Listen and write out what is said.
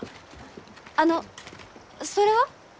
あのそれは？